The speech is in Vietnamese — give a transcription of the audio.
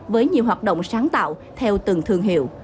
với nhiều hoạt động sáng tạo theo từng thương hiệu